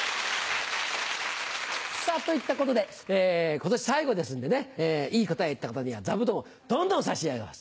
さぁといったことで今年最後ですんでねいい答え言った方には座布団をどんどん差し上げます。